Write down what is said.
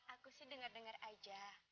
aku sih dengar dengar aja